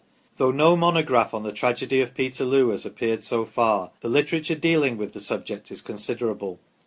Though no monograph on the tragedy of Peterloo has appeared so far, the literature dealing with the subject is considerable.